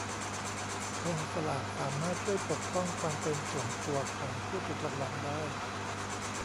กองสลากสามารถช่วยปกป้องความเป็นส่วนตัวของผู้ถูกรางวัลได้.